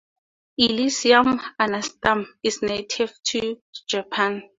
"Illicium anisatum" is native to Japan.